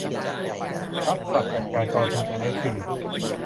หลักทรัพย์จัดการกองทุน เอ็มเอฟซี